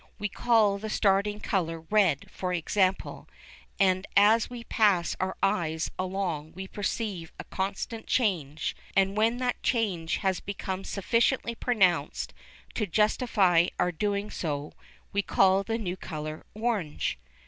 We call the starting colour red, for example, and as we pass our eyes along we perceive a constant change, and when that change has become sufficiently pronounced to justify our doing so, we call the new colour "orange."